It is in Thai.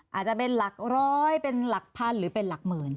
อาจจะเป็นหลักร้อยเป็นหลักพันหรือเป็นหลักหมื่น